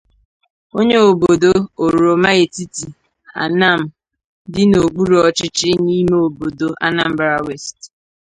onye obodo Oroma-Etiti Anam dị n'okpuru ọchịchị ime obodo Anambra West